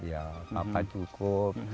ya bapak cukup